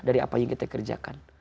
dari apa yang kita kerjakan